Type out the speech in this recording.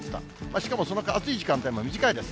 しかもその暑い時間帯も短いです。